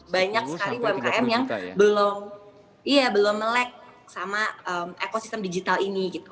banyak sekali umkm yang belum melek sama ekosistem digital ini gitu